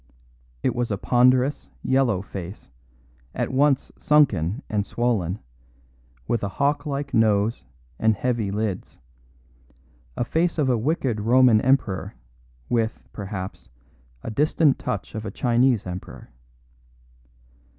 It was a ponderous, yellow face, at once sunken and swollen, with a hawk like nose and heavy lids a face of a wicked Roman emperor, with, perhaps, a distant touch of a Chinese emperor.